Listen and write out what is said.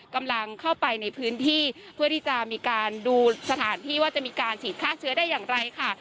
กำลังเข้าไปในพื้นที่เพื่อที่จะมีการดูสถานที่ว่าจะมีการฉีดฆ่าเชื้อได้อย่างไรค่ะ